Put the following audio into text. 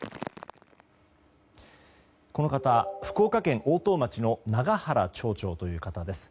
この方、福岡県大任町の永原町長という方です。